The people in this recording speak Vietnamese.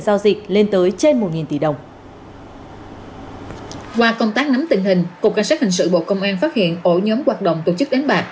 qua công tác nắm tình hình cục cảnh sát hình sự bộ công an phát hiện ổ nhóm hoạt động tổ chức đánh bạc